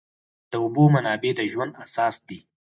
د اوبو منابع د ژوند اساس دي.